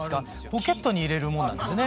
ポケットに入れるもんなんですね。